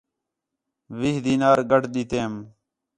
وِیہہ دینار گڈھ ݙِتیم